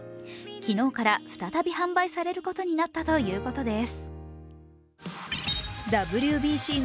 昨日から再び販売されることになったということです。